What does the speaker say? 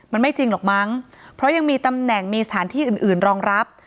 มันไม่จริงหรอกมั้งเพราะยังมีตำแหน่งมีสถานที่อื่นอื่นรองรับ